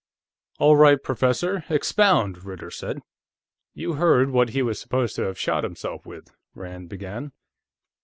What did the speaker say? "All right, Professor; expound," Ritter said. "You heard what he was supposed to have shot himself with," Rand began.